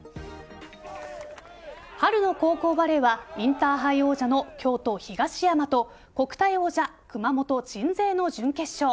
春の高校バレーはインターハイ王者の京都・東山と国体王者熊本・鎮西の準決勝。